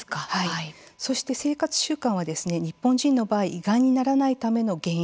そして生活習慣は日本人の場合胃がんにならないための減塩。